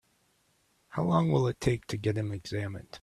How long will it take to get him examined?